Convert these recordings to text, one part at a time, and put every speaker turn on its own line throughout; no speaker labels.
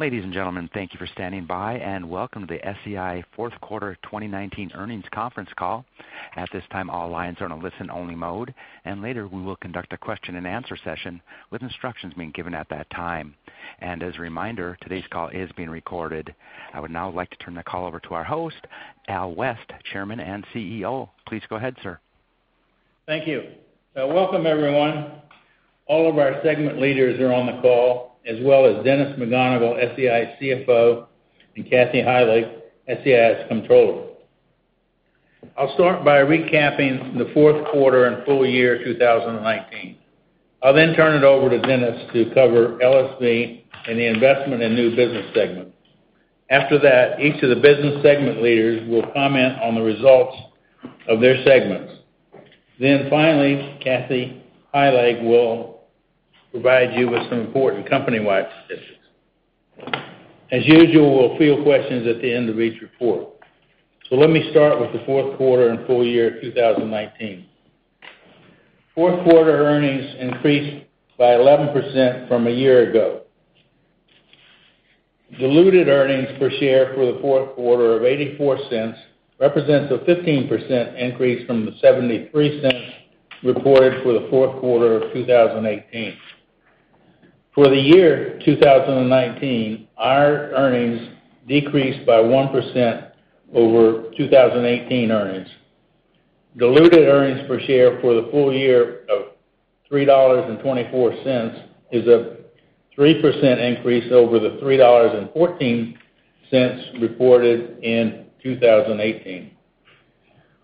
Ladies and gentlemen, thank you for standing by, and welcome to the SEI fourth quarter 2019 earnings conference call. At this time, all lines are in a listen-only mode. Later we will conduct a question and answer session with instructions being given at that time. As a reminder, today's call is being recorded. I would now like to turn the call over to our host, Al West, Chairman and CEO. Please go ahead, sir.
Thank you. Welcome, everyone. All of our segment leaders are on the call, as well as Dennis McGonigle, SEI CFO, and Kathy Heilig, SEI's Controller. I'll start by recapping the fourth quarter and full year 2019. I'll turn it over to Dennis to cover LSV and the investment in new business segments. After that, each of the business segment leaders will comment on the results of their segments. Finally, Kathy Heilig will provide you with some important company-wide statistics. As usual, we'll field questions at the end of each report. Let me start with the fourth quarter and full year 2019. Fourth quarter earnings increased by 11% from a year ago. Diluted earnings per share for the fourth quarter of $0.84 represents a 15% increase from the $0.73 reported for the fourth quarter of 2018. For the year 2019, our earnings decreased by 1% over 2018 earnings. Diluted earnings per share for the full year of $3.24 is a 3% increase over the $3.14 reported in 2018.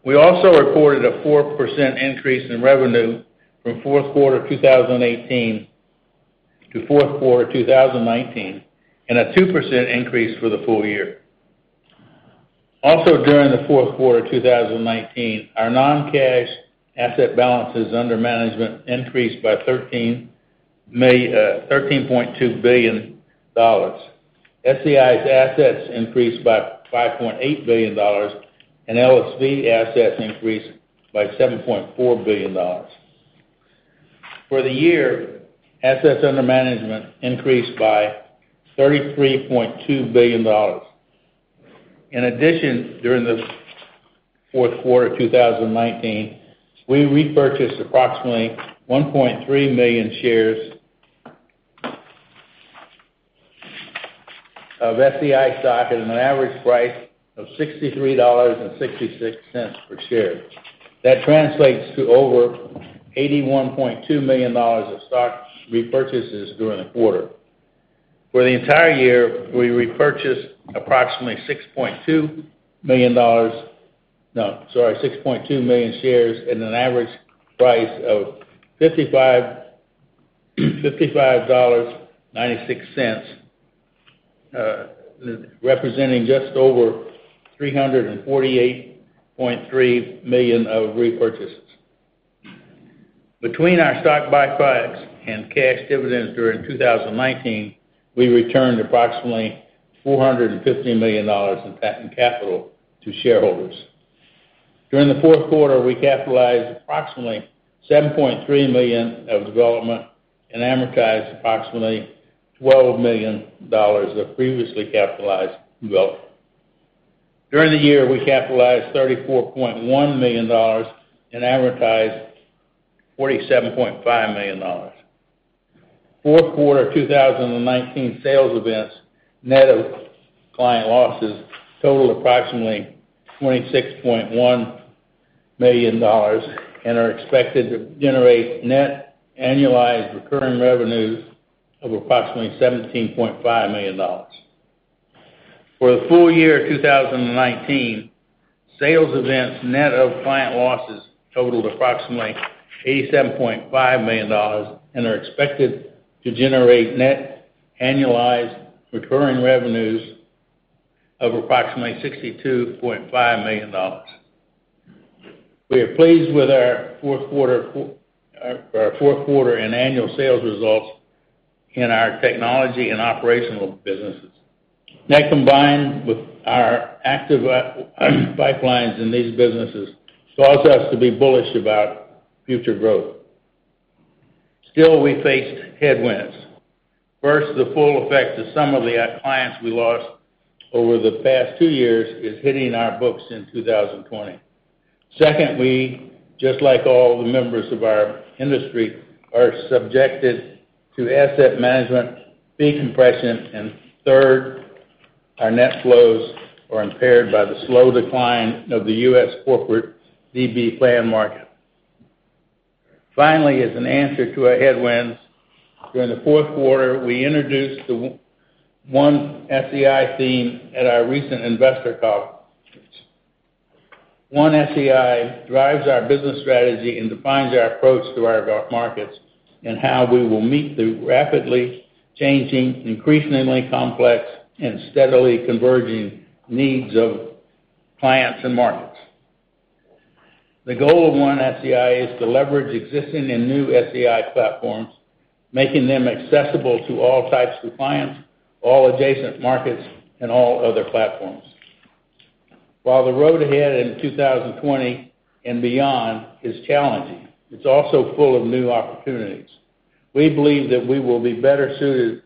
We also reported a 4% increase in revenue from fourth quarter 2018 to fourth quarter 2019, and a 2% increase for the full year. Also during the fourth quarter 2019, our non-cash asset balances under management increased by $13.2 billion. SEI's assets increased by $5.8 billion, and LSV assets increased by $7.4 billion. For the year, assets under management increased by $33.2 billion. In addition, during the fourth quarter 2019, we repurchased approximately 1.3 million shares of SEI stock at an average price of $63.66 per share. That translates to over $81.2 million of stock repurchases during the quarter. For the entire year, we repurchased approximately 6.2 million shares at an average price of $55.96, representing just over $348.3 million of repurchases. Between our stock buybacks and cash dividends during 2019, we returned approximately $450 million in capital to shareholders. During the fourth quarter, we capitalized approximately $7.3 million of development and amortized approximately $12 million of previously capitalized development. During the year, we capitalized $34.1 million and amortized $47.5 million. Fourth quarter 2019 sales events net of client losses totaled approximately $26.1 million and are expected to generate net annualized recurring revenues of approximately $17.5 million. For the full year 2019, sales events net of client losses totaled approximately $87.5 million and are expected to generate net annualized recurring revenues of approximately $62.5 million. We are pleased with our fourth quarter and annual sales results in our technology and operational businesses. That, combined with our active pipelines in these businesses, causes us to be bullish about future growth. Still, we faced headwinds. First, the full effect of some of the clients we lost over the past two years is hitting our books in 2020. Second, we, just like all the members of our industry, are subjected to asset management fee compression. Third, our net flows are impaired by the slow decline of the U.S. corporate DB plan market. As an answer to our headwinds, during the fourth quarter, we introduced the One-SEI theme at our recent investor conference. One-SEI drives our business strategy and defines our approach to our markets and how we will meet the rapidly changing, increasingly complex, and steadily converging needs of clients and markets. The goal of One-SEI is to leverage existing and new SEI platforms, making them accessible to all types of clients, all adjacent markets, and all other platforms. While the road ahead in 2020 and beyond is challenging, it's also full of new opportunities. We believe that we will be better suited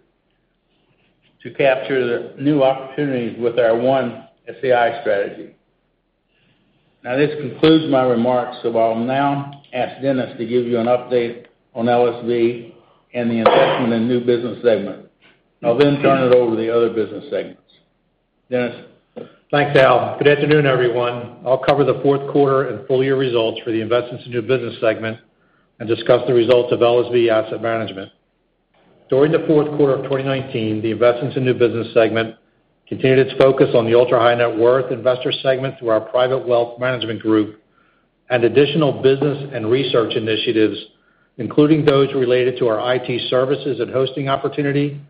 to capture the new opportunities with our One-SEI strategy. Now, this concludes my remarks. I'll now ask Dennis to give you an update on LSV and the Investment in New Business segment. I'll then turn it over to the other business segments. Dennis?
Thanks, Al. Good afternoon, everyone. I'll cover the fourth quarter and full-year results for the Investments in New Business segment and discuss the results of LSV Asset Management. During the fourth quarter of 2019, the Investments in New Business segment continued its focus on the ultra-high net worth investor segment through our private wealth management group and additional business and research initiatives, including those related to our IT services and hosting opportunity,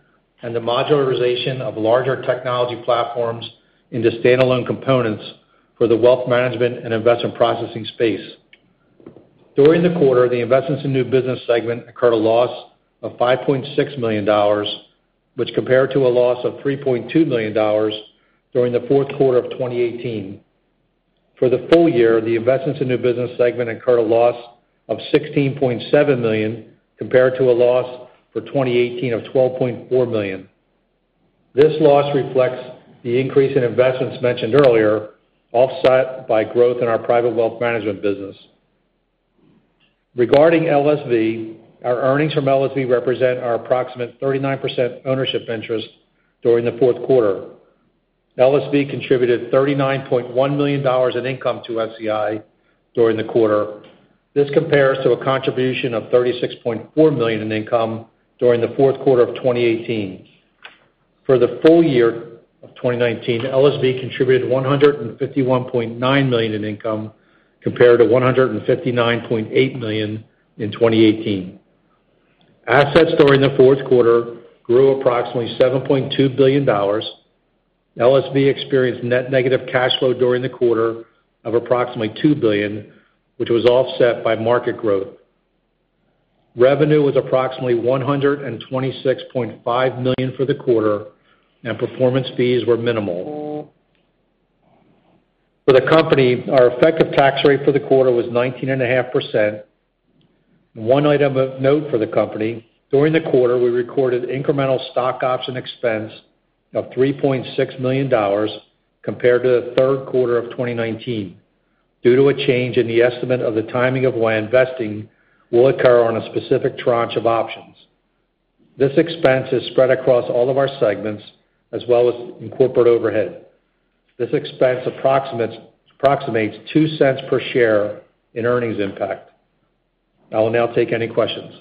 and the modularization of larger technology platforms into standalone components for the wealth management and investment processing space. During the quarter, the Investments in New Business segment incurred a loss of $5.6 million, which compared to a loss of $3.2 million during the fourth quarter of 2018. For the full year, the Investments in New Business segment incurred a loss of $16.7 million compared to a loss for 2018 of $12.4 million. This loss reflects the increase in investments mentioned earlier, offset by growth in our private wealth management business. Regarding LSV, our earnings from LSV represent our approximate 39% ownership interest during the fourth quarter. LSV contributed $39.1 million in income to SEI during the quarter. This compares to a contribution of $36.4 million in income during the fourth quarter of 2018. For the full year of 2019, LSV contributed $151.9 million in income, compared to $159.8 million in 2018. Assets during the fourth quarter grew approximately $7.2 billion. LSV experienced net negative cash flow during the quarter of approximately $2 billion, which was offset by market growth. Revenue was approximately $126.5 million for the quarter, and performance fees were minimal. For the company, our effective tax rate for the quarter was 19.5%. One item of note for the company, during the quarter, we recorded incremental stock option expense of $3.6 million compared to the third quarter of 2019 due to a change in the estimate of the timing of when vesting will occur on a specific tranche of options. This expense is spread across all of our segments as well as in corporate overhead. This expense approximates $0.02 per share in earnings impact. I will now take any questions.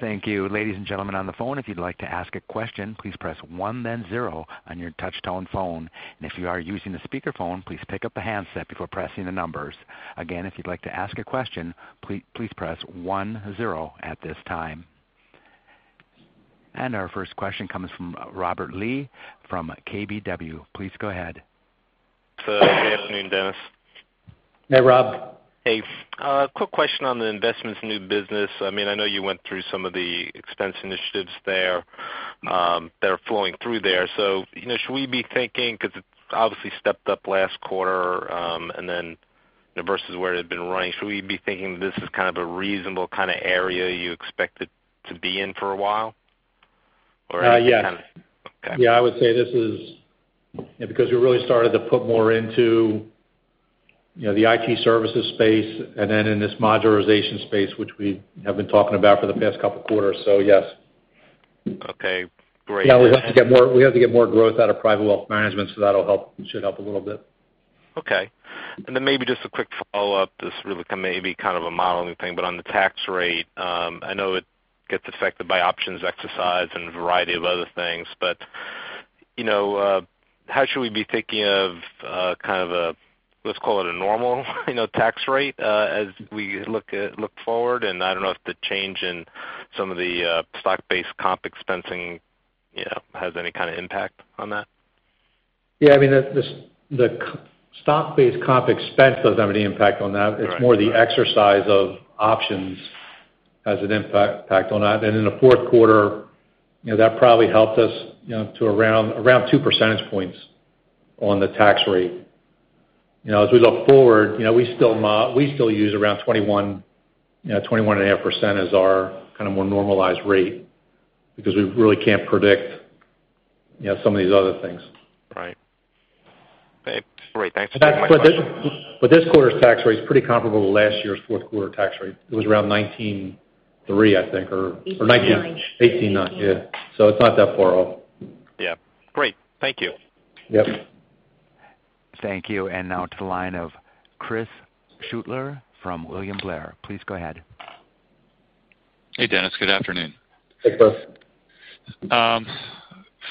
Thank you. Ladies and gentlemen on the phone, if you'd like to ask a question, please press one then zero on your touch-tone phone. If you are using a speakerphone, please pick up the handset before pressing the numbers. Again, if you'd like to ask a question, please press one, zero at this time. Our first question comes from Robert Lee from KBW. Please go ahead.
Good afternoon, Dennis.
Hey, Rob.
Hey. A quick question on the Investments in New Business. I know you went through some of the expense initiatives that are flowing through there. Should we be thinking, because it obviously stepped up last quarter versus where it had been running, should we be thinking this is a reasonable kind of area you expect it to be in for a while?
Yes.
Okay.
Yeah, I would say this is because we really started to put more into the IT services space and then in this modularization space, which we have been talking about for the past couple quarters. Yes.
Okay, great.
Now we have to get more growth out of private wealth management, so that should help a little bit.
Okay. Maybe just a quick follow-up. This really may be kind of a modeling thing, but on the tax rate, I know it gets affected by options exercised and a variety of other things, but how should we be thinking of a, let's call it a normal tax rate as we look forward? I don't know if the change in some of the stock-based comp expensing has any kind of impact on that.
Yeah. The stock-based comp expense doesn't have any impact on that.
All right.
It's more the exercise of options has an impact on that. In the fourth quarter, that probably helped us to around 2 percentage points on the tax rate. We look forward, we still use around 21.5% as our more normalized rate because we really can't predict some of these other things.
Right. Great. Thanks for taking my questions.
This quarter's tax rate is pretty comparable to last year's fourth quarter tax rate. It was around 19.3%, I think.
18.9%.
18.9%. Yeah. It's not that far off.
Yeah. Great. Thank you.
Yep.
Thank you. Now to the line of Chris Shutler from William Blair. Please go ahead.
Hey, Dennis. Good afternoon.
Hey, Chris.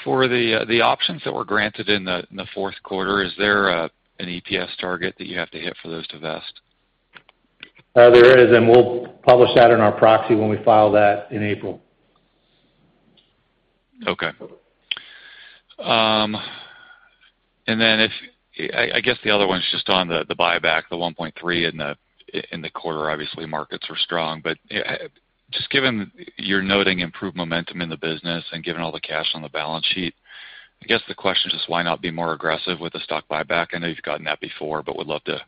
For the options that were granted in the fourth quarter, is there an EPS target that you have to hit for those to vest?
There is. We'll publish that in our proxy when we file that in April.
Okay. I guess the other one's just on the buyback, the $1.3 billion in the quarter. Obviously, markets are strong, but just given you're noting improved momentum in the business and given all the cash on the balance sheet, I guess the question is just why not be more aggressive with the stock buyback? I know you've gotten that before, but would love to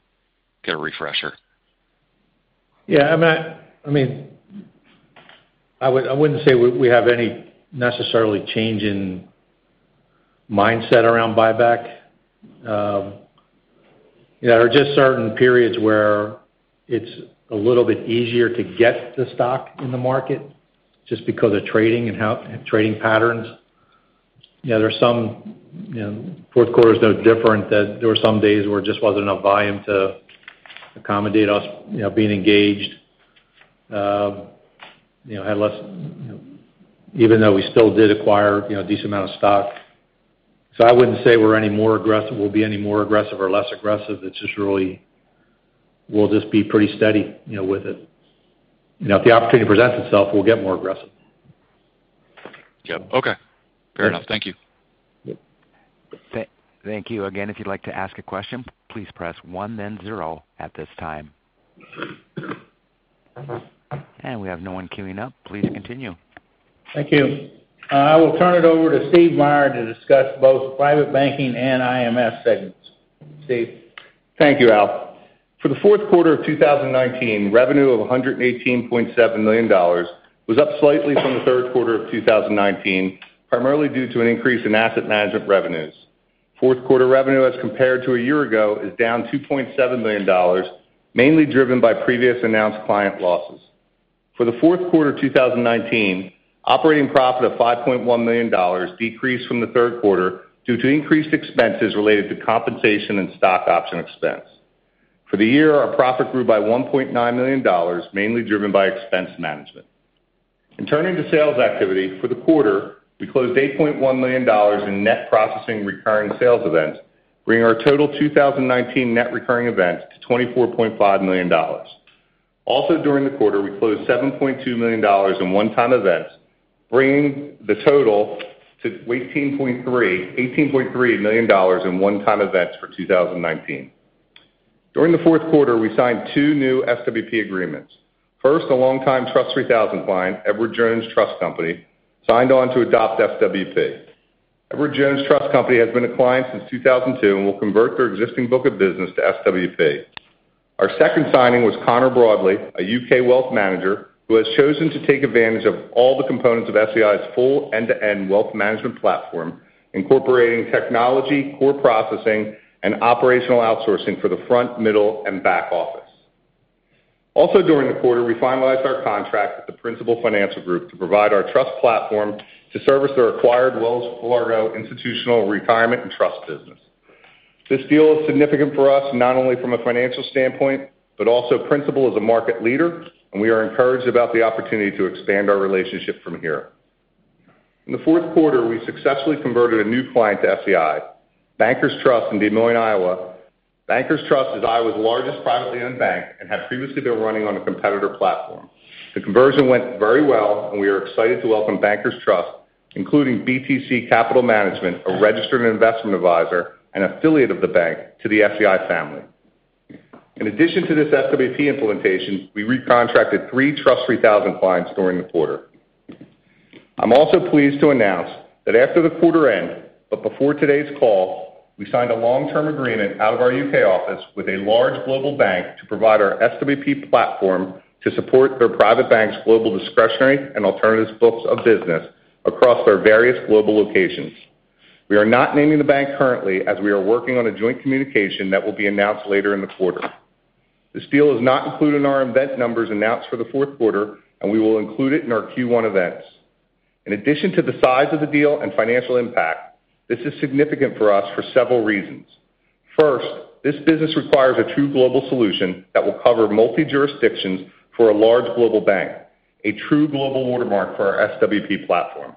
get a refresher.
I wouldn't say we have any necessarily change in mindset around buyback. There are just certain periods where it's a little bit easier to get the stock in the market just because of trading and trading patterns. Fourth quarter is no different, that there were some days where just wasn't enough volume to accommodate us being engaged. Even though we still did acquire a decent amount of stock. I wouldn't say we'll be any more aggressive or less aggressive. We'll just be pretty steady with it. If the opportunity presents itself, we'll get more aggressive.
Yep. Okay. Fair enough. Thank you.
Yep.
Thank you. Again, if you'd like to ask a question, please press one then zero at this time. We have no one queuing up. Please continue.
Thank you. I will turn it over to Steve Meyer to discuss both private banking and IMS segments. Steve.
Thank you, Al. For the fourth quarter of 2019, revenue of $118.7 million was up slightly from the third quarter of 2019, primarily due to an increase in asset management revenues. Fourth quarter revenue as compared to a year ago is down $2.7 million, mainly driven by previous announced client losses. For the fourth quarter 2019, operating profit of $5.1 million decreased from the third quarter due to increased expenses related to compensation and stock option expense. For the year, our profit grew by $1.9 million, mainly driven by expense management. In turning to sales activity, for the quarter, we closed $8.1 million in net processing recurring sales events, bringing our total 2019 net recurring events to $24.5 million. Also, during the quarter, we closed $7.2 million in one-time events, bringing the total to $18.3 million in one-time events for 2019. During the fourth quarter, we signed two new SWP agreements. First, a longtime TRUST 3000 client, Edward Jones Trust Company, signed on to adopt SWP. Edward Jones Trust Company has been a client since 2002 and will convert their existing book of business to SWP. Our second signing was Connor Broadley, a U.K. wealth manager who has chosen to take advantage of all the components of SEI's full end-to-end wealth management platform, incorporating technology, core processing, and operational outsourcing for the front, middle, and back office. Also during the quarter, we finalized our contract with the Principal Financial Group to provide our trust platform to service their acquired Wells Fargo institutional retirement and trust business. This deal is significant for us, not only from a financial standpoint, but also Principal is a market leader, and we are encouraged about the opportunity to expand our relationship from here. In the fourth quarter, we successfully converted a new client to SEI, Bankers Trust in Des Moines, Iowa. Bankers Trust is Iowa's largest privately owned bank and had previously been running on a competitor platform. The conversion went very well, and we are excited to welcome Bankers Trust, including BTC Capital Management, a registered investment advisor and affiliate of the bank, to the SEI family. In addition to this SWP implementation, we recontracted three TRUST 3000 clients during the quarter. I'm also pleased to announce that after the quarter end, but before today's call, we signed a long-term agreement out of our U.K. office with a large global bank to provide our SWP platform to support their private bank's global discretionary and alternatives books of business across their various global locations. We are not naming the bank currently as we are working on a joint communication that will be announced later in the quarter. This deal is not included in our event numbers announced for the fourth quarter, and we will include it in our Q1 events. In addition to the size of the deal and financial impact, this is significant for us for several reasons. First, this business requires a true global solution that will cover multi-jurisdictions for a large global bank, a true global watermark for our SWP platform.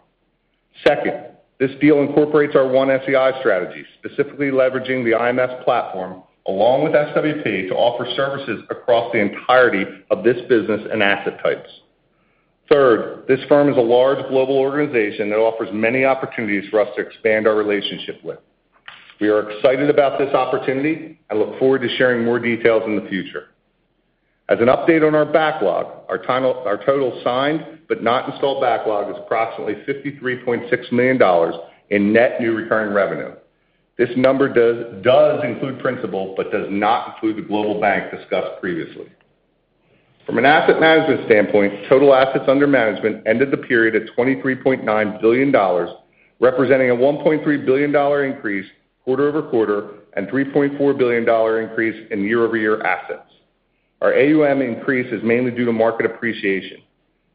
Second, this deal incorporates our One-SEI strategy, specifically leveraging the IMS platform along with SWP to offer services across the entirety of this business and asset types. Third, this firm is a large global organization that offers many opportunities for us to expand our relationship with. We are excited about this opportunity. I look forward to sharing more details in the future. As an update on our backlog, our total signed but not installed backlog is approximately $53.6 million in net new recurring revenue. This number does include Principal but does not include the global bank discussed previously. From an asset management standpoint, total assets under management ended the period at $23.9 billion, representing a $1.3 billion increase quarter-over-quarter and $3.4 billion increase in year-over-year assets. Our AUM increase is mainly due to market appreciation.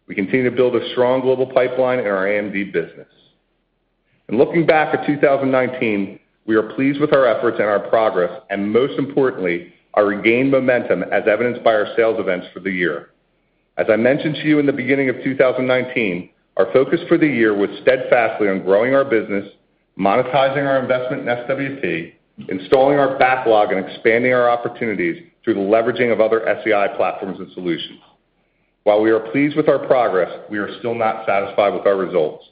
We continue to build a strong global pipeline in our AMD business. In looking back at 2019, we are pleased with our efforts and our progress, and most importantly, our regained momentum as evidenced by our sales events for the year. As I mentioned to you in the beginning of 2019, our focus for the year was steadfastly on growing our business, monetizing our investment in SWP, installing our backlog, and expanding our opportunities through the leveraging of other SEI platforms and solutions. While we are pleased with our progress, we are still not satisfied with our results.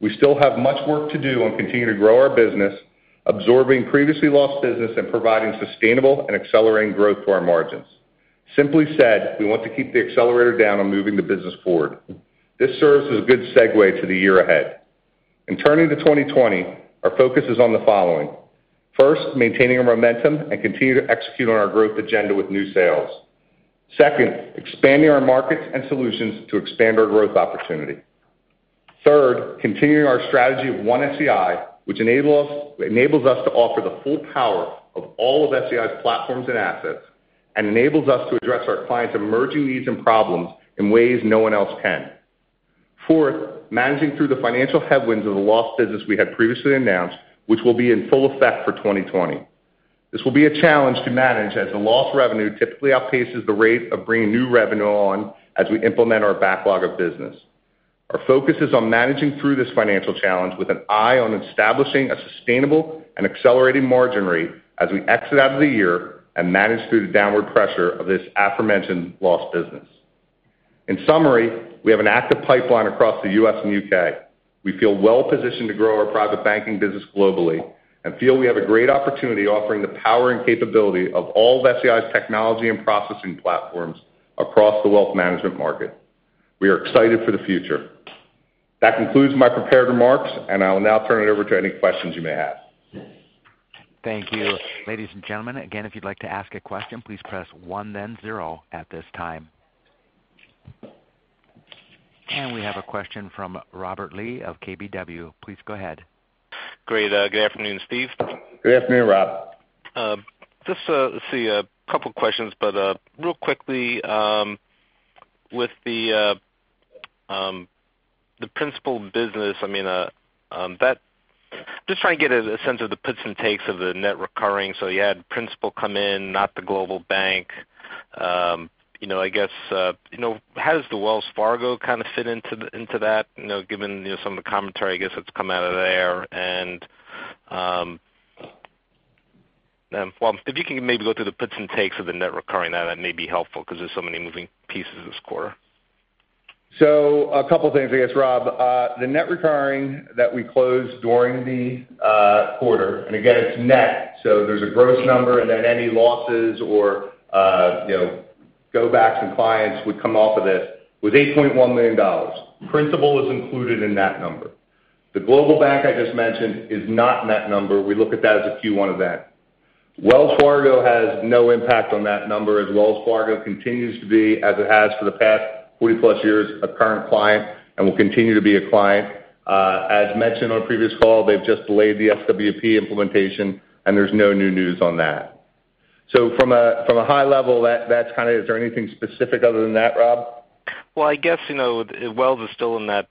We still have much work to do on continuing to grow our business, absorbing previously lost business, and providing sustainable and accelerating growth to our margins. Simply said, we want to keep the accelerator down on moving the business forward. This serves as a good segue to the year ahead. Turning to 2020, our focus is on the following. First, maintaining our momentum and continue to execute on our growth agenda with new sales. Second, expanding our markets and solutions to expand our growth opportunity. Third, continuing our strategy of One-SEI, which enables us to offer the full power of all of SEI's platforms and assets and enables us to address our clients' emerging needs and problems in ways no one else can. Fourth, managing through the financial headwinds of the lost business we had previously announced, which will be in full effect for 2020. This will be a challenge to manage, as the lost revenue typically outpaces the rate of bringing new revenue on as we implement our backlog of business. Our focus is on managing through this financial challenge with an eye on establishing a sustainable and accelerating margin rate as we exit out of the year and manage through the downward pressure of this aforementioned lost business. In summary, we have an active pipeline across the U.S. and U.K. We feel well-positioned to grow our private banking business globally and feel we have a great opportunity offering the power and capability of all of SEI's technology and processing platforms across the wealth management market. We are excited for the future. That concludes my prepared remarks, and I will now turn it over to any questions you may have.
Thank you. Ladies and gentlemen, again, if you'd like to ask a question, please press one then zero at this time. We have a question from Robert Lee of KBW. Please go ahead.
Great. Good afternoon, Steve.
Good afternoon, Rob.
Just, let's see, a couple of questions, real quickly, with the Principal business, just trying to get a sense of the puts and takes of the net recurring. You had Principal come in, not the global bank. How does the Wells Fargo kind of fit into that, given some of the commentary, I guess, that's come out of there? If you can maybe go through the puts and takes of the net recurring, that may be helpful because there's so many moving pieces this quarter.
A couple things, I guess, Rob. The net recurring that we closed during the quarter, and again, it's net, so there's a gross number and then any losses or go backs and clients would come off of this, was $8.1 million. Principal is included in that number. The global bank I just mentioned is not net number. We look at that as a Q1 event. Wells Fargo has no impact on that number, as Wells Fargo continues to be, as it has for the past 40+ years, a current client and will continue to be a client. As mentioned on a previous call, they've just delayed the SWP implementation, and there's no new news on that. From a high level, is there anything specific other than that, Rob?
Well, I guess, Wells is still in that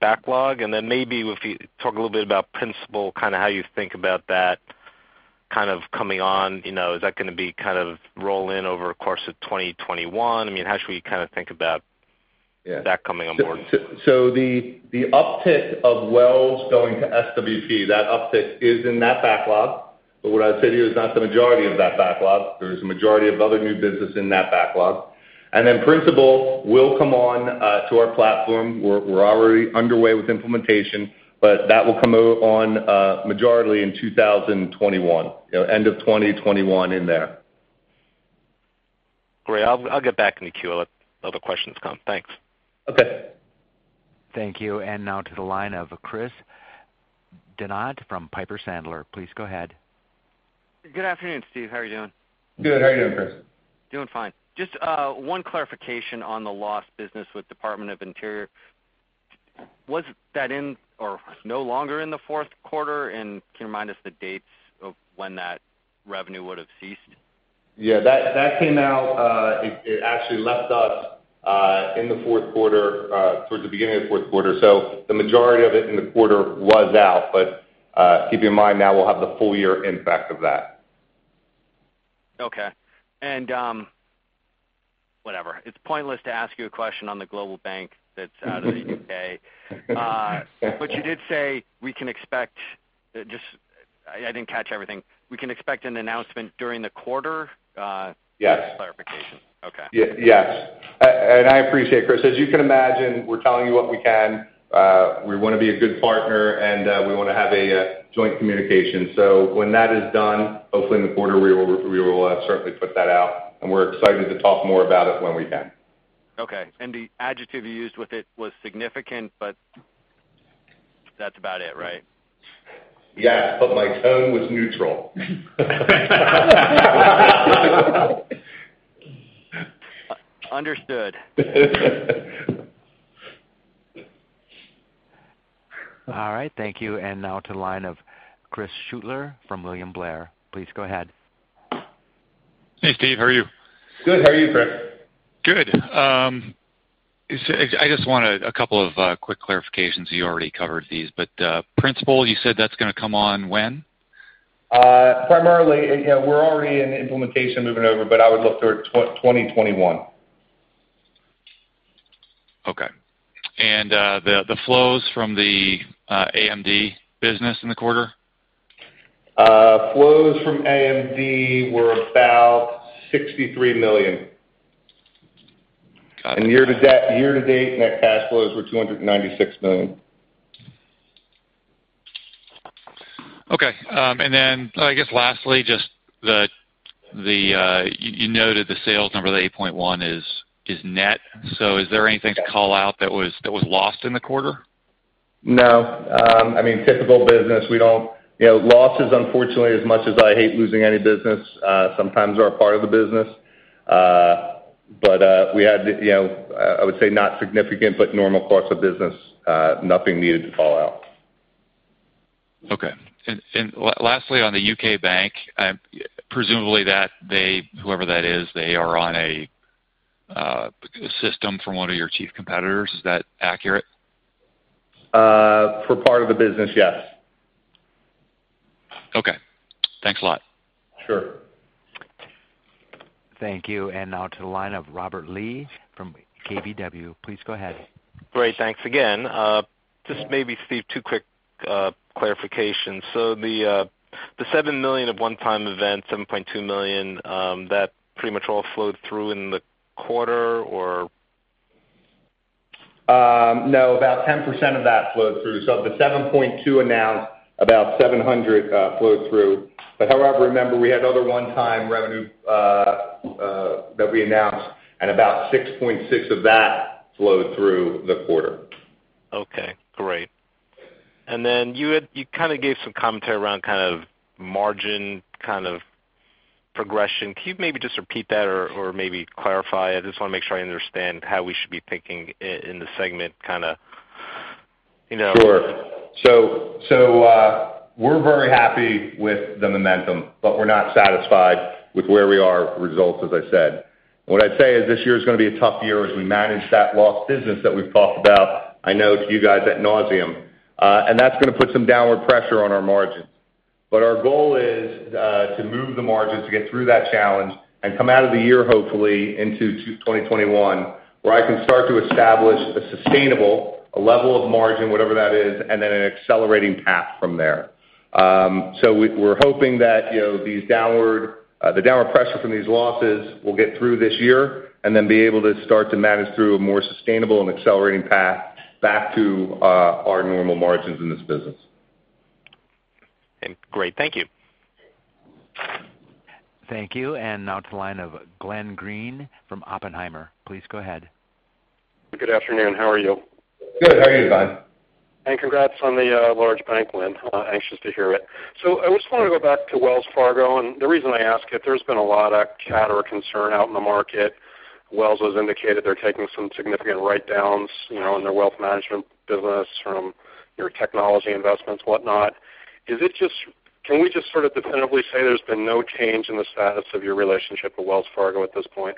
backlog, and then maybe if you talk a little bit about Principal, kind of how you think about that coming on. Is that going to roll in over the course of 2021? How should we think about that coming on board?
The uptick of Wells going to SWP, that uptick is in that backlog. What I'd say to you is not the majority of that backlog. There's a majority of other new business in that backlog. Principal will come on to our platform. We're already underway with implementation, but that will come on majority in 2021, end of 2021, in there.
Great. I'll get back in the queue. Let other questions come. Thanks.
Okay.
Thank you. Now to the line of Chris Donat from Piper Sandler. Please go ahead.
Good afternoon, Steve. How are you doing?
Good. How are you doing, Chris?
Doing fine. Just one clarification on the lost business with Department of the Interior. Was that in or no longer in the fourth quarter? Can you remind us the dates of when that revenue would have ceased?
Yeah, that came out. It actually left us in the fourth quarter, towards the beginning of the fourth quarter. The majority of it in the quarter was out. Keep in mind now we'll have the full year impact of that.
Okay. Whatever. It's pointless to ask you a question on the global bank that's out of the U.K. I didn't catch everything. We can expect an announcement during the quarter?
Yes.
Clarification. Okay.
Yes. I appreciate it, Chris. As you can imagine, we're telling you what we can. We want to be a good partner, and we want to have a joint communication. When that is done, hopefully in the quarter, we will certainly put that out, and we're excited to talk more about it when we can.
Okay. The adjective you used with it was significant, but that's about it, right?
Yes, my tone was neutral.
Understood.
All right. Thank you. Now to the line of Chris Shutler from William Blair. Please go ahead.
Hey, Steve. How are you?
Good. How are you, Chris?
Good. I just wanted a couple of quick clarifications. You already covered these, but Principal, you said that's going to come on when?
Primarily, we're already in implementation moving over, but I would look toward 2021.
Okay. The flows from the AMD business in the quarter?
Flows from AMD were about $63 million.
Got it.
Year-to-date, net cash flows were $296 million.
Okay. I guess lastly, you noted the sales number, the $8.1 million is net. Is there anything to call out that was lost in the quarter?
No. Typical business. Losses, unfortunately, as much as I hate losing any business, sometimes are a part of the business. We had, I would say not significant, but normal course of business. Nothing needed to call out.
Okay. Lastly, on the U.K. bank, presumably whoever that is, they are on a system from one of your chief competitors. Is that accurate?
For part of the business, yes.
Okay. Thanks a lot.
Sure.
Thank you. Now to the line of Robert Lee from KBW. Please go ahead.
Great. Thanks again. Just maybe, Steve, two quick clarifications. The $7 million of one-time event, $7.2 million, that pretty much all flowed through in the quarter, or?
No, about 10% of that flowed through. Of the $7.2 billion announced, about $700 million flowed through. However, remember we had other one-time revenue that we announced and about $6.6 billion of that flowed through the quarter.
Okay, great. You gave some commentary around margin progression. Can you maybe just repeat that or maybe clarify? I just want to make sure I understand how we should be thinking in the segment.
Sure. We're very happy with the momentum, but we're not satisfied with where we are results-wise, as I said. What I'd say is this year is going to be a tough year as we manage that lost business that we've talked about, I know to you guys at nauseam. That's going to put some downward pressure on our margins. Our goal is to move the margins to get through that challenge and come out of the year, hopefully, into 2021, where I can start to establish a sustainable, a level of margin, whatever that is, and then an accelerating path from there. We're hoping that the downward pressure from these losses will get through this year and then be able to start to manage through a more sustainable and accelerating path back to our normal margins in this business.
Great. Thank you.
Thank you. Now to the line of Glenn Greene from Oppenheimer. Please go ahead.
Good afternoon. How are you?
Good. How are you, Glenn?
Congrats on the large bank win. Anxious to hear it. I just want to go back to Wells Fargo. The reason I ask it, there's been a lot of chatter or concern out in the market. Wells has indicated they're taking some significant write-downs in their wealth management business from your technology investments, whatnot. Can we just definitively say there's been no change in the status of your relationship with Wells Fargo at this point?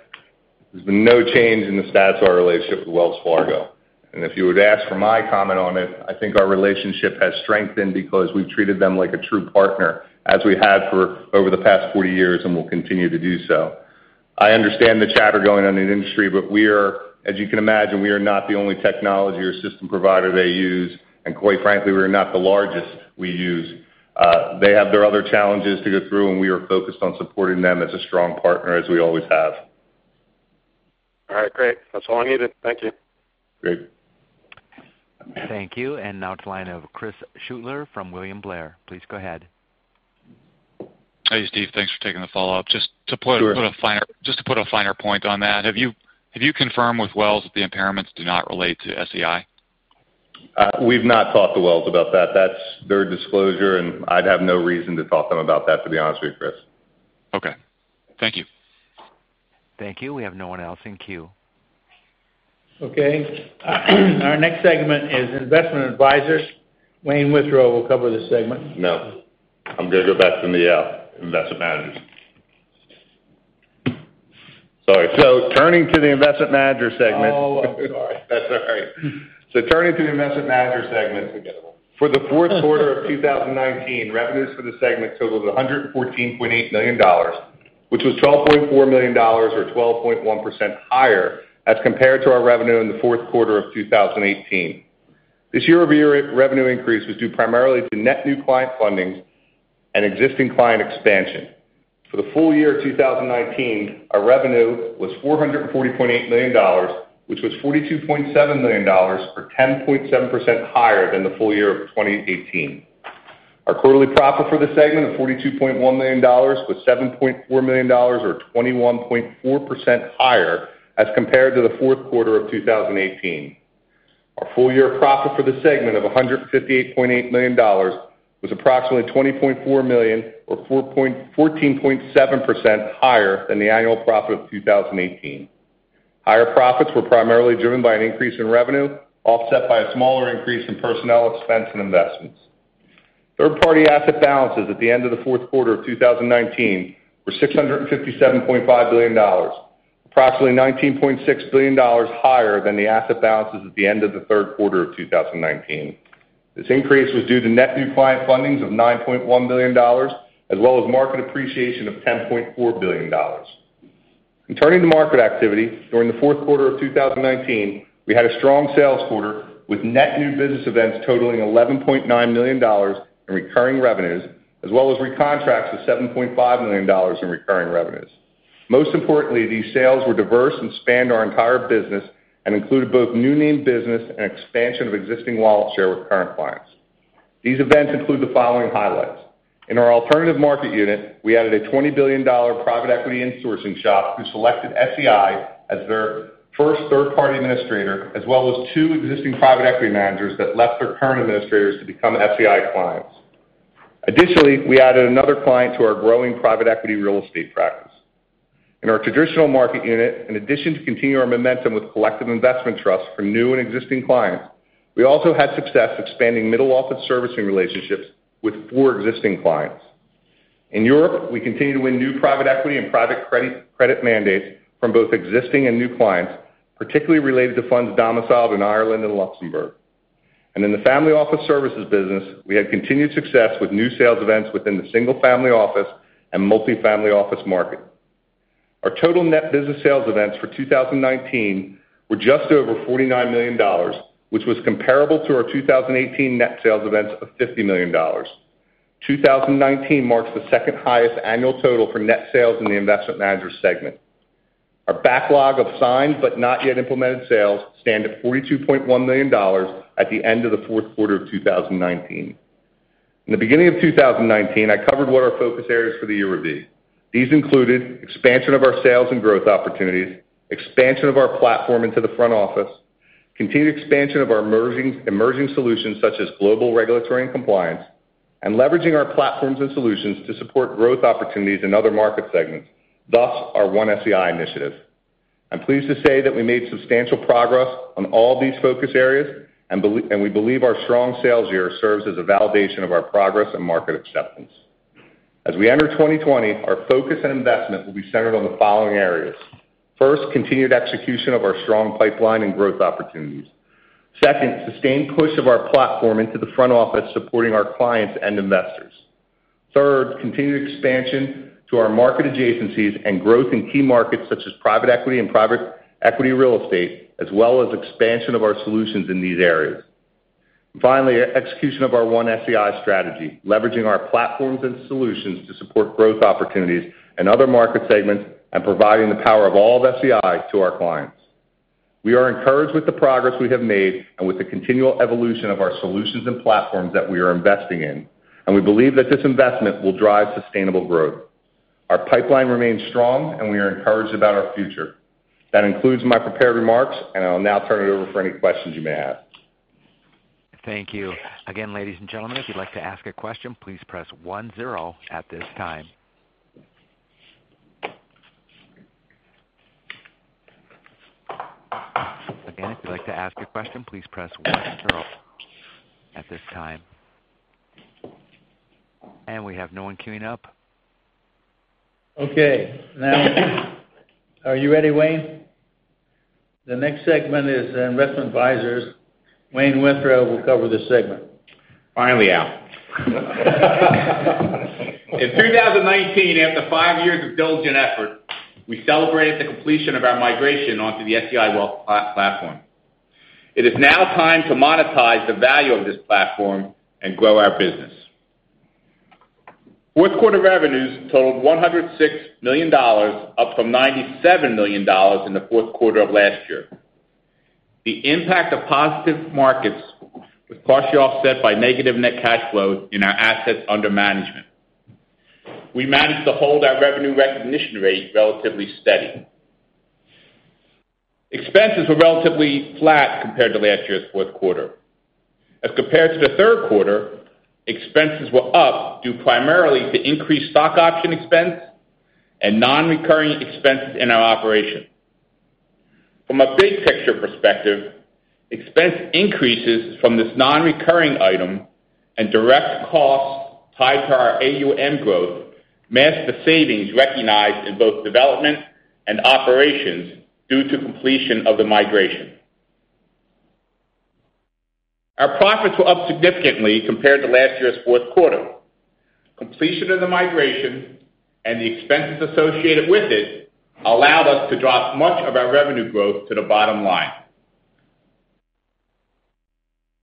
There's been no change in the status of our relationship with Wells Fargo. If you were to ask for my comment on it, I think our relationship has strengthened because we've treated them like a true partner, as we have for over the past 40 years and will continue to do so. I understand the chatter going on in the industry, but as you can imagine, we are not the only technology or system provider they use. Quite frankly, we're not the largest we use. They have their other challenges to go through, and we are focused on supporting them as a strong partner, as we always have.
All right, great. That's all I needed. Thank you.
Great.
Thank you. Now to the line of Chris Shutler from William Blair. Please go ahead.
Hey, Steve. Thanks for taking the follow-up.
Sure.
Just to put a finer point on that, have you confirmed with Wells that the impairments do not relate to SEI?
We've not talked to Wells about that. That's their disclosure, and I'd have no reason to talk to them about that, to be honest with you, Chris.
Okay. Thank you.
Thank you. We have no one else in queue.
Okay. Our next segment is investment advisors. Wayne Withrow will cover this segment.
No. I'm going to go back from the investment managers. Sorry. Turning to the Investment Manager segment.
Oh. All right.
That's all right. Turning to the Investment Manager segment.
Forgettable.
For the fourth quarter of 2019, revenues for the segment totaled $114.8 million, which was $12.4 million, or 12.1% higher as compared to our revenue in the fourth quarter of 2018. This year-over-year revenue increase was due primarily to net new client fundings and existing client expansion. For the full year of 2019, our revenue was $440.8 million, which was $42.7 million, or 10.7% higher than the full year of 2018. Our quarterly profit for the segment of $42.1 million was $7.4 million, or 21.4% higher as compared to the fourth quarter of 2018. Our full-year profit for the segment of $158.8 million was approximately $20.4 million, or 14.7% higher than the annual profit of 2018. Higher profits were primarily driven by an increase in revenue, offset by a smaller increase in personnel expense and investments. Third-party asset balances at the end of the fourth quarter of 2019 were $657.5 billion, approximately $19.6 billion higher than the asset balances at the end of the third quarter of 2019. This increase was due to net new client fundings of $9.1 billion, as well as market appreciation of $10.4 billion. Turning to market activity, during the fourth quarter of 2019, we had a strong sales quarter with net new business events totaling $11.9 million in recurring revenues, as well as recontracts of $7.5 million in recurring revenues. Most importantly, these sales were diverse and spanned our entire business, and included both new name business and expansion of existing wallet share with current clients. These events include the following highlights. In our alternative market unit, we added a $20 billion private equity insourcing shop who selected SEI as their first third-party administrator, as well as two existing private equity managers that left their current administrators to become SEI clients. Additionally, we added another client to our growing private equity real estate practice. In our traditional market unit, in addition to continuing our momentum with collective investment trusts from new and existing clients, we also had success expanding middle-office servicing relationships with four existing clients. In Europe, we continue to win new private equity and private credit mandates from both existing and new clients, particularly related to funds domiciled in Ireland and Luxembourg. In the family office services business, we had continued success with new sales events within the single family office and multi-family office market. Our total net business sales events for 2019 were just over $49 million, which was comparable to our 2018 net sales events of $50 million. 2019 marks the second-highest annual total for net sales in the Investment Manager Segment. Our backlog of signed but not yet implemented sales stand at $42.1 million at the end of the fourth quarter of 2019. In the beginning of 2019, I covered what our focus areas for the year would be. These included expansion of our sales and growth opportunities, expansion of our platform into the front office, continued expansion of our emerging solutions such as global regulatory and compliance, and leveraging our platforms and solutions to support growth opportunities in other market segments, thus our One-SEI initiative. I'm pleased to say that we made substantial progress on all these focus areas, and we believe our strong sales year serves as a validation of our progress and market acceptance. As we enter 2020, our focus and investment will be centered on the following areas. First, continued execution of our strong pipeline and growth opportunities. Second, sustained push of our platform into the front office, supporting our clients and investors. Third, continued expansion to our market adjacencies and growth in key markets such as private equity and private equity real estate, as well as expansion of our solutions in these areas. Finally, execution of our One-SEI strategy, leveraging our platforms and solutions to support growth opportunities in other market segments and providing the power of all of SEI to our clients. We are encouraged with the progress we have made and with the continual evolution of our solutions and platforms that we are investing in. We believe that this investment will drive sustainable growth. Our pipeline remains strong. We are encouraged about our future. That concludes my prepared remarks. I will now turn it over for any questions you may have.
Thank you. Again, ladies and gentlemen, if you'd like to ask a question, please press one zero at this time. Again, if you'd like to ask a question, please press one zero at this time. We have no one queuing up.
Okay. Now, are you ready, Wayne? The next segment is Investment Advisors. Wayne Withrow will cover this segment.
Finally, Al. In 2019, after five years of diligent effort, we celebrated the completion of our migration onto the SEI Wealth Platform. It is now time to monetize the value of this platform and grow our business. Fourth quarter revenues totaled $106 million, up from $97 million in the fourth quarter of last year. The impact of positive markets was partially offset by negative net cash flows in our assets under management. We managed to hold our revenue recognition rate relatively steady. Expenses were relatively flat compared to last year's fourth quarter. As compared to the third quarter, expenses were up due primarily to increased stock option expense and non-recurring expenses in our operation. From a big-picture perspective, expense increases from this non-recurring item and direct costs tied to our AUM growth masked the savings recognized in both development and operations due to completion of the migration. Our profits were up significantly compared to last year's fourth quarter. Completion of the migration and the expenses associated with it allowed us to drop much of our revenue growth to the bottom line.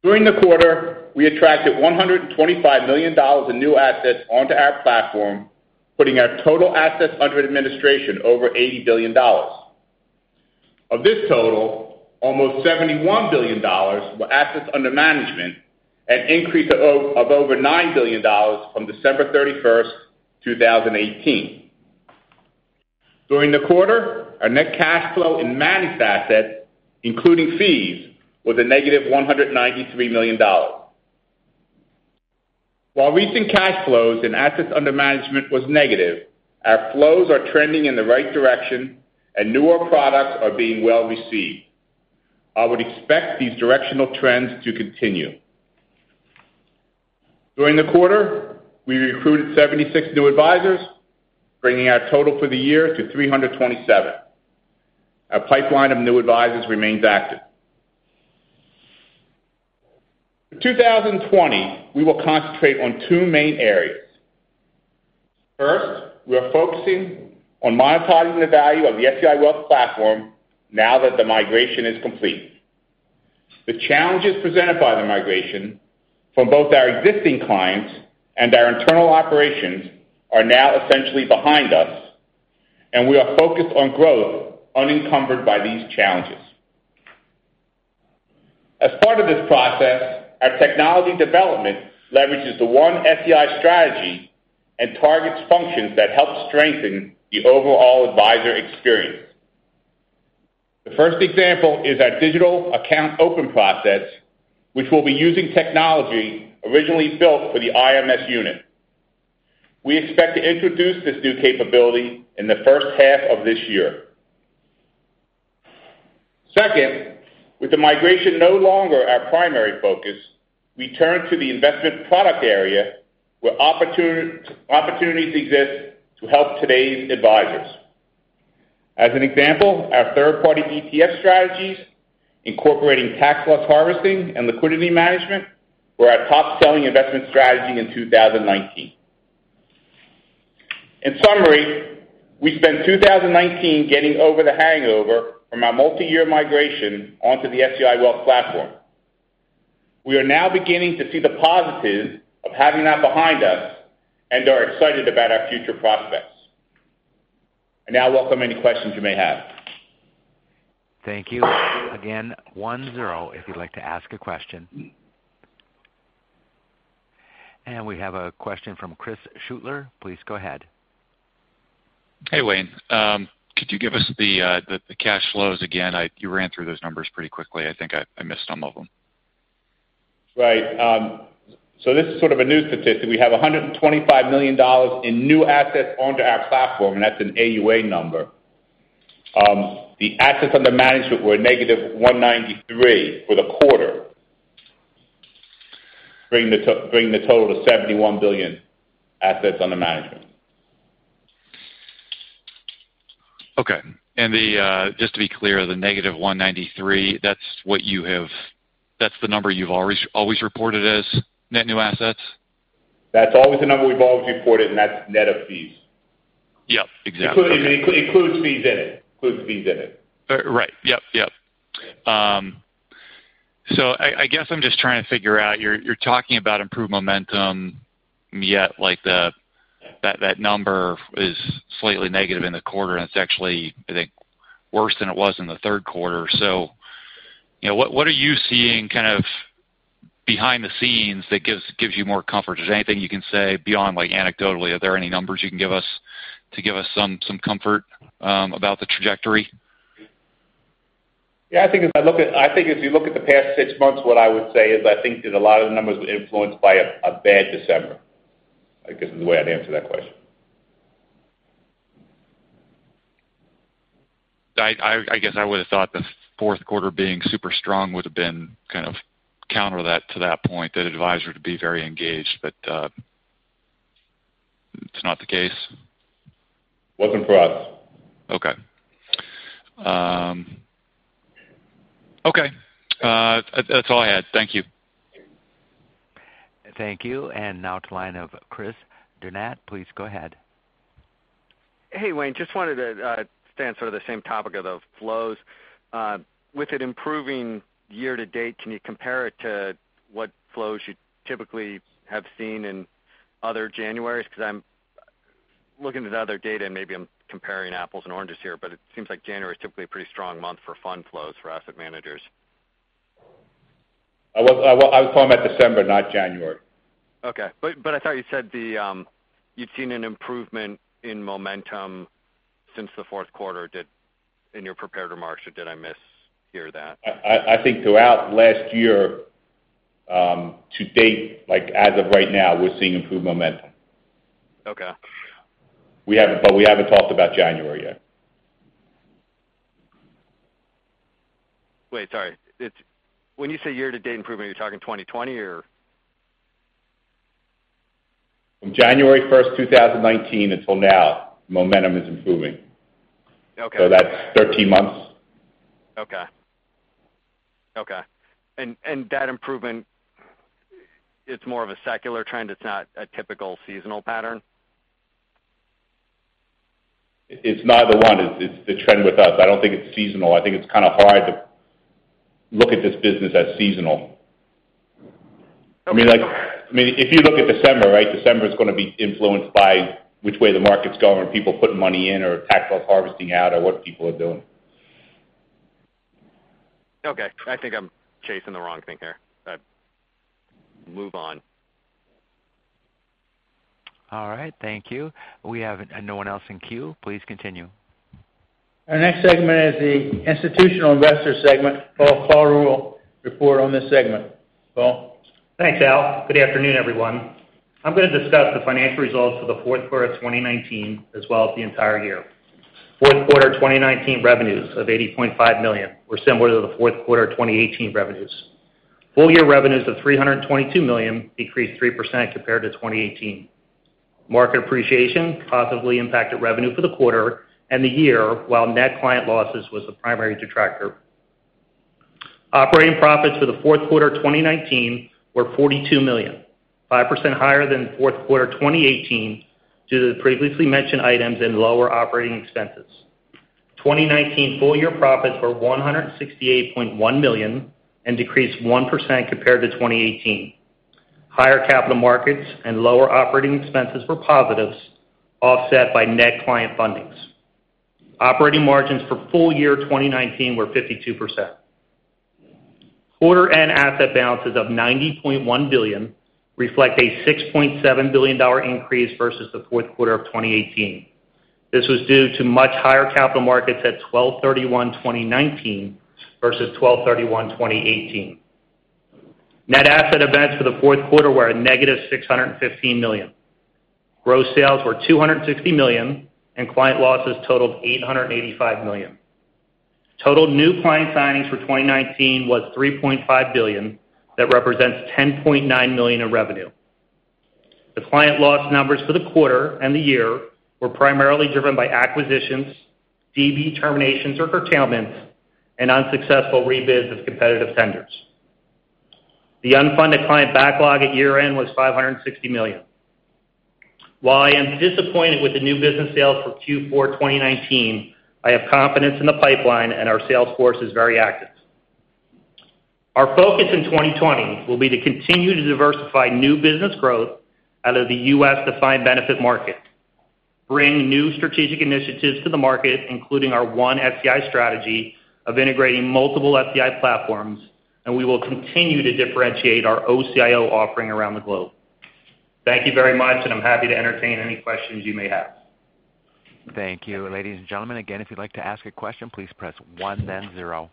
During the quarter, we attracted $125 million in new assets onto our platform, putting our total assets under administration over $80 billion. Of this total, almost $71 billion were assets under management, an increase of over $9 billion from December 31st, 2018. During the quarter, our net cash flow in managed assets, including fees, was a -$193 million. While recent cash flows in assets under management was negative, our flows are trending in the right direction, and newer products are being well-received. I would expect these directional trends to continue. During the quarter, we recruited 76 new advisors, bringing our total for the year to 327. Our pipeline of new advisors remains active. In 2020, we will concentrate on two main areas. First, we are focusing on monetizing the value of the SEI Wealth Platform now that the migration is complete. The challenges presented by the migration from both our existing clients and our internal operations are now essentially behind us, and we are focused on growth unencumbered by these challenges. As part of this process, our technology development leverages the One-SEI strategy and targets functions that help strengthen the overall advisor experience. The first example is our digital account open process, which will be using technology originally built for the IMS unit. We expect to introduce this new capability in the first half of this year. Second, with the migration no longer our primary focus, we turn to the investment product area where opportunities exist to help today's advisors. As an example, our third-party ETF strategies incorporating tax loss harvesting and liquidity management were our top-selling investment strategy in 2019. In summary, we spent 2019 getting over the hangover from our multi-year migration onto the SEI Wealth Platform. We are now beginning to see the positives of having that behind us and are excited about our future prospects. I now welcome any questions you may have.
Thank you. Again, one zero if you'd like to ask a question. We have a question from Chris Shutler. Please go ahead.
Hey, Wayne. Could you give us the cash flows again? You ran through those numbers pretty quickly. I think I missed some of them.
Right. This is sort of a new statistic. We have $125 million in new assets onto our platform, and that's an AUA number. The assets under management were -$193 million for the quarter, bringing the total to $71 billion assets under management.
Okay. Just to be clear, the -$193 million, that's the number you've always reported as net new assets?
That's always the number we've always reported, and that's net of fees.
Yep, exactly. Okay.
It includes fees in it. Includes fees in it.
Right. Yep. I guess I'm just trying to figure out, you're talking about improved momentum, yet that number is slightly negative in the quarter, and it's actually, I think, worse than it was in the third quarter. What are you seeing kind of behind the scenes that gives you more comfort? Is there anything you can say beyond anecdotally? Are there any numbers you can give us to give us some comfort about the trajectory?
Yeah, I think if you look at the past six months, what I would say is I think that a lot of the numbers were influenced by a bad December. I guess, is the way I'd answer that question.
I guess I would've thought the fourth quarter being super strong would've been kind of counter to that point, that advisors would be very engaged, but it's not the case.
Wasn't for us.
Okay. That's all I had. Thank you.
Thank you. now to the line of Chris Donat. Please go ahead.
Hey, Wayne. Just wanted to stay on sort of the same topic of the flows. With it improving year-to-date, can you compare it to what flows you typically have seen in other Januaries? I'm looking at other data, and maybe I'm comparing apples and oranges here, but it seems like January's typically a pretty strong month for fund flows for asset managers.
I was talking about December, not January.
Okay. I thought you said you'd seen an improvement in momentum since the fourth quarter in your prepared remarks, or did I mishear that?
I think throughout last year-to-date, like as of right now, we're seeing improved momentum.
Okay.
We haven't talked about January yet.
Wait, sorry. When you say year-to-date improvement, are you talking 2020 or?
From January 1st, 2019 until now, momentum is improving.
Okay.
That's 13 months.
Okay. That improvement, it's more of a secular trend, it's not a typical seasonal pattern?
It's neither one. It's a trend with us. I don't think it's seasonal. I think it's kind of hard to look at this business as seasonal.
Okay.
If you look at December, right, December's going to be influenced by which way the market's going, or are people putting money in or tax loss harvesting out or what people are doing.
Okay. I think I'm chasing the wrong thing there. Move on.
All right. Thank you. We have no one else in queue. Please continue.
Our next segment is the Institutional Investor Segment. Paul Klauder will report on this segment. Paul?
Thanks, Al. Good afternoon, everyone. I'm going to discuss the financial results for the fourth quarter of 2019 as well as the entire year. Fourth quarter 2019 revenues of $80.5 million were similar to the fourth quarter 2018 revenues. Full year revenues of $322 million decreased 3% compared to 2018. Market appreciation positively impacted revenue for the quarter and the year, while net client losses was the primary detractor. Operating profits for the fourth quarter 2019 were $42 million, 5% higher than fourth quarter 2018 due to the previously mentioned items and lower operating expenses. 2019 full year profits were $168.1 million and decreased 1% compared to 2018. Higher capital markets and lower operating expenses were positives, offset by net client fundings. Operating margins for full year 2019 were 52%. Quarter end asset balances of $90.1 billion reflect a $6.7 billion increase versus the fourth quarter of 2018. This was due to much higher capital markets at 12/31/2019 versus 12/31/2018. Net asset events for the fourth quarter were a negative $615 million. Gross sales were $260 million, and client losses totaled $885 million. Total new client signings for 2019 was $3.5 billion. That represents $10.9 million in revenue. The client loss numbers for the quarter and the year were primarily driven by acquisitions, DB terminations or curtailments, and unsuccessful rebids of competitive tenders. The unfunded client backlog at year-end was $560 million. While I am disappointed with the new business sales for Q4 2019, I have confidence in the pipeline, and our sales force is very active. Our focus in 2020 will be to continue to diversify new business growth out of the U.S. defined benefit market, bring new strategic initiatives to the market, including our One-SEI strategy of integrating multiple SEI platforms, and we will continue to differentiate our OCIO offering around the globe. Thank you very much, and I'm happy to entertain any questions you may have.
Thank you. Ladies and gentlemen, again, if you'd like to ask a question, please press one, then zero.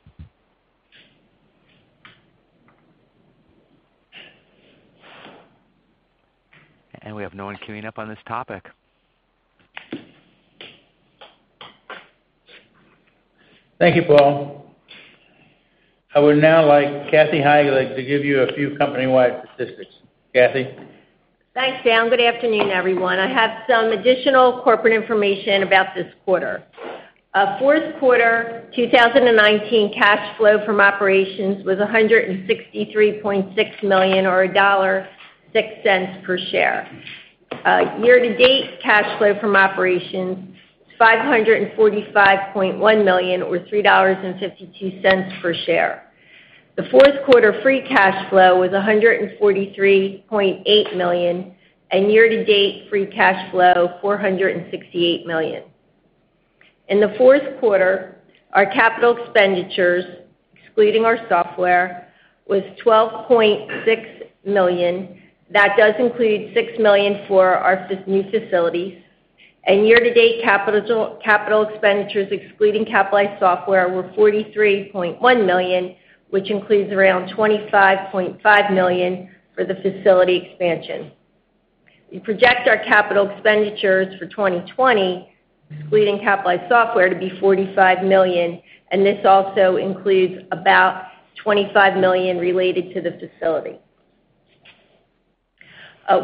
We have no one queuing up on this topic.
Thank you, Paul. I would now like Kathy Heilig to give you a few company-wide statistics. Kathy?
Thanks, Al. Good afternoon, everyone. I have some additional corporate information about this quarter. Fourth quarter 2019 cash flow from operations was $163.6 million, or $1.06 per share. Year-to-date cash flow from operations, $545.1 million or $3.52 per share. The fourth quarter free cash flow was $143.8 million, and year-to-date free cash flow, $468 million. In the fourth quarter, our capital expenditures, excluding our software, was $12.6 million. That does include $6 million for our new facilities. Year-to-date capital expenditures excluding capitalized software were $43.1 million, which includes around $25.5 million for the facility expansion. We project our capital expenditures for 2020, excluding capitalized software, to be $45 million, and this also includes about $25 million related to the facility.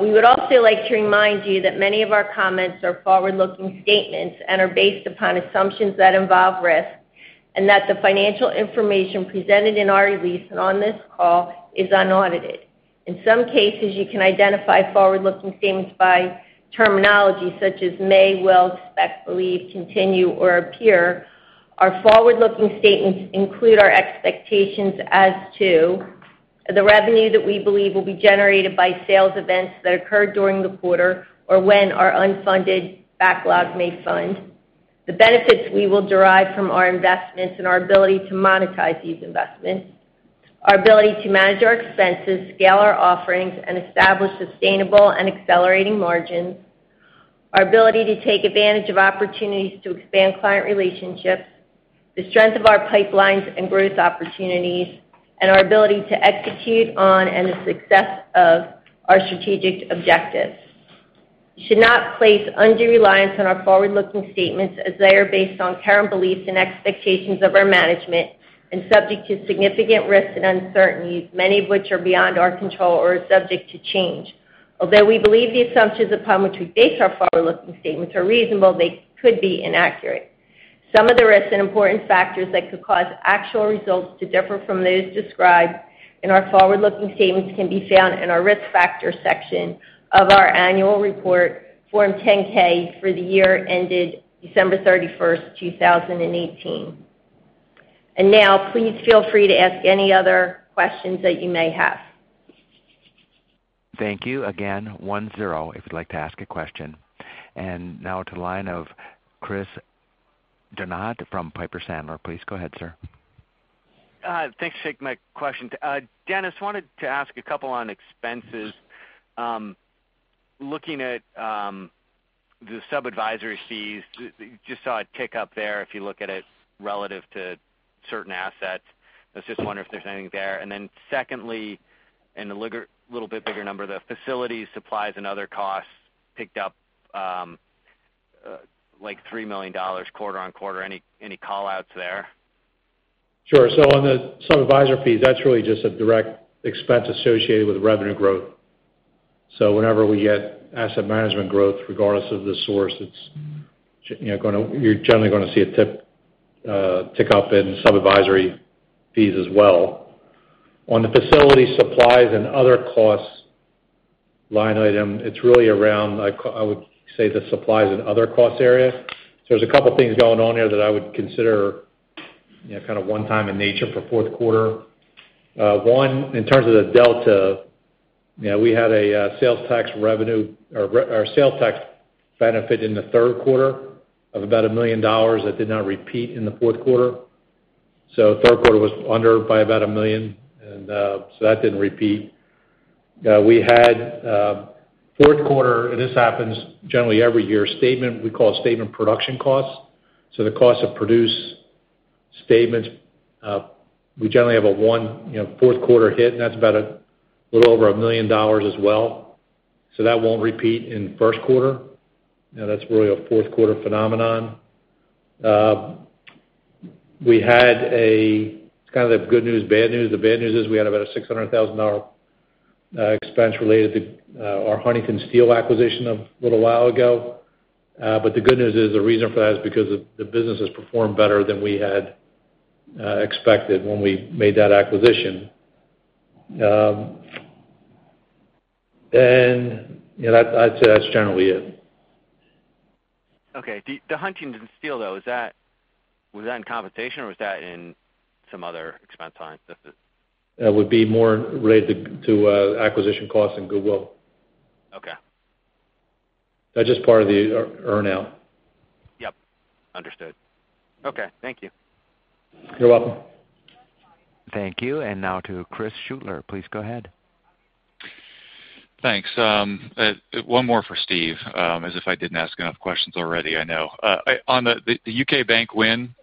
We would also like to remind you that many of our comments are forward-looking statements and are based upon assumptions that involve risk, and that the financial information presented in our release and on this call is unaudited. In some cases, you can identify forward-looking statements by terminology such as may, will, expect, believe, continue, or appear. Our forward-looking statements include our expectations as to the revenue that we believe will be generated by sales events that occurred during the quarter or when our unfunded backlog may fund, the benefits we will derive from our investments and our ability to monetize these investments, our ability to manage our expenses, scale our offerings, and establish sustainable and accelerating margins, our ability to take advantage of opportunities to expand client relationships, the strength of our pipelines and growth opportunities, and our ability to execute on and the success of our strategic objectives. You should not place undue reliance on our forward-looking statements as they are based on current beliefs and expectations of our management and subject to significant risks and uncertainties, many of which are beyond our control or are subject to change. Although we believe the assumptions upon which we base our forward-looking statements are reasonable, they could be inaccurate. Some of the risks and important factors that could cause actual results to differ from those described in our forward-looking statements can be found in our Risk Factors section of our annual report, Form 10-K, for the year ended December 31st, 2018. Now please feel free to ask any other questions that you may have.
Thank you. Again, one-zero if you'd like to ask a question. Now to the line of Chris Donat from Piper Sandler. Please go ahead, sir.
Thanks for taking my question. Dennis, wanted to ask a couple on expenses. Looking at the sub-advisory fees, just saw a tick up there if you look at it relative to certain assets. I was just wondering if there's anything there. Secondly, in the little bit bigger number, the facilities, supplies, and other costs picked up like $3 million quarter-on-quarter. Any call-outs there?
Sure. On the sub-advisory fees, that's really just a direct expense associated with revenue growth. Whenever we get asset management growth, regardless of the source, it's- You're generally going to see a tick-up in sub-advisory fees as well. On the facility supplies and other costs line item, it's really around, I would say, the supplies and other costs area. There's a couple things going on there that I would consider one-time in nature for fourth quarter. One, in terms of the delta, we had a sales tax revenue or sales tax benefit in the third quarter of about $1 million that did not repeat in the fourth quarter. Third quarter was under by about $1 million, that didn't repeat. We had fourth quarter, and this happens generally every year, we call statement production costs, so the cost to produce statements. We generally have a one fourth quarter hit, and that's about a little over $1 million as well. That won't repeat in first quarter. That's really a fourth quarter phenomenon. We had a good news, bad news. The bad news is we had about a $600,000 expense related to our Huntington Steele acquisition of a little while ago. The good news is, the reason for that is because the business has performed better than we had expected when we made that acquisition. I'd say that's generally it.
Okay. The Huntington Steele, though, was that in compensation or was that in some other expense line?
That would be more related to acquisition costs and goodwill.
Okay.
That's just part of the earn-out.
Yep. Understood. Okay, thank you.
You're welcome.
Thank you. Now to Chris Shutler. Please go ahead.
Thanks. One more for Steve, as if I didn't ask enough questions already, I know. On the U.K. bank win,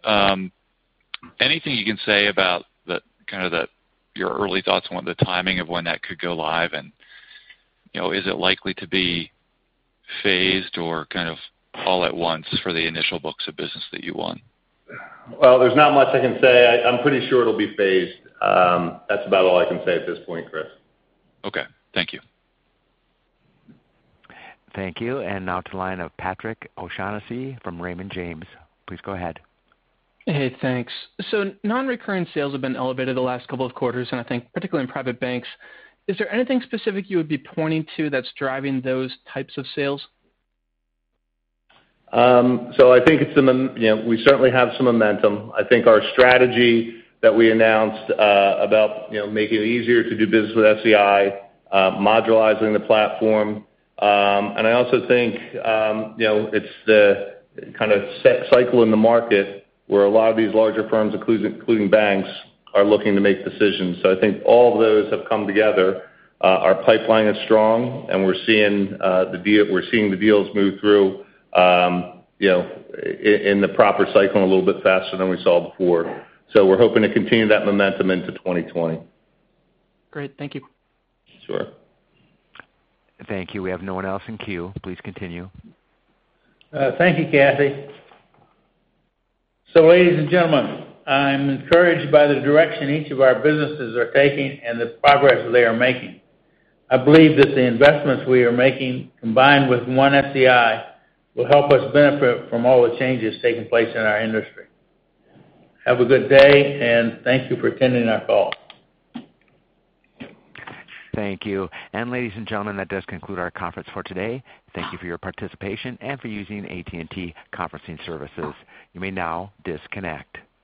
anything you can say about your early thoughts on the timing of when that could go live? Is it likely to be phased or all at once for the initial books of business that you won?
Well, there's not much I can say. I'm pretty sure it'll be phased. That's about all I can say at this point, Chris.
Okay. Thank you.
Thank you. Now to the line of Patrick O'Shaughnessy from Raymond James. Please go ahead.
Hey, thanks. Non-recurrent sales have been elevated the last couple of quarters, and I think particularly in private banks. Is there anything specific you would be pointing to that's driving those types of sales?
I think we certainly have some momentum. I think our strategy that we announced about making it easier to do business with SEI, modularizing the platform. I also think it's the set cycle in the market where a lot of these larger firms, including banks, are looking to make decisions. I think all of those have come together. Our pipeline is strong, and we're seeing the deals move through in the proper cycle, a little bit faster than we saw before. We're hoping to continue that momentum into 2020.
Great. Thank you.
Sure.
Thank you. We have no one else in queue. Please continue.
Thank you, Kathy. Ladies and gentlemen, I'm encouraged by the direction each of our businesses are taking and the progress they are making. I believe that the investments we are making, combined with One-SEI, will help us benefit from all the changes taking place in our industry. Have a good day, and thank you for attending our call.
Thank you. Ladies and gentlemen, that does conclude our conference for today. Thank you for your participation and for using AT&T Conferencing Services. You may now disconnect.